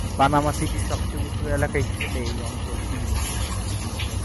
Panama সিটির সবচেয়ে উঁচু এলাকা হিসেবে এই অঞ্চল চিহ্নিত।